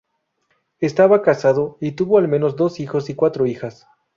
Estaba casado y tuvo al menos dos hijos y cuatro hijas.